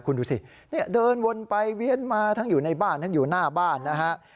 คุณดูสิเนี่ยเดินวนไปเวียนมาทั้งอยู่ในบ้านทั้งอยู่หน้าบ้านนะฮะ